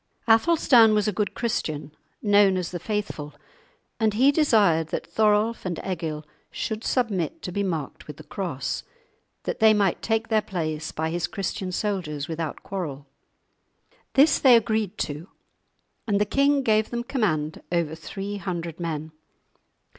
Athelstan was a good Christian, known as the Faithful, and he desired that Thorolf and Egil should submit to be marked with the Cross, that they might take their place by his Christian soldiers without quarrel. This they agreed to, and the king gave them command over three hundred men.